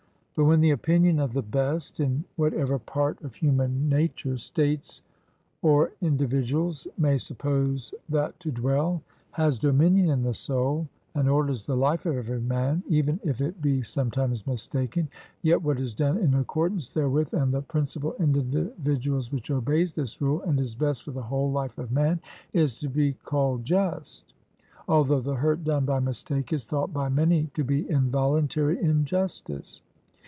But when the opinion of the best, in whatever part of human nature states or individuals may suppose that to dwell, has dominion in the soul and orders the life of every man, even if it be sometimes mistaken, yet what is done in accordance therewith, and the principle in individuals which obeys this rule, and is best for the whole life of man, is to be called just; although the hurt done by mistake is thought by many to be involuntary injustice.